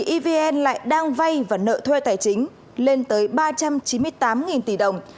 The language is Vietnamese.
evn lại đang vay và nợ thuê tài chính lên tới ba trăm chín mươi tám tỷ đồng